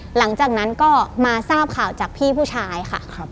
หลังจากนั้นก็มาทราบข่าวจากพี่ผู้ชายค่ะ